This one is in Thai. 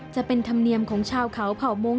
จะเป็นธรรมเนียมของชาวเขาเผ่ามงค